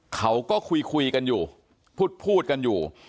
เขาก็คุยกันอยู่พูดกันอยู่